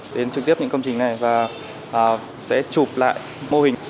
đến trực tiếp những công trình này và sẽ chụp lại mô hình